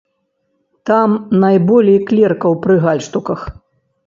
Там найболей клеркаў пры гальштуках.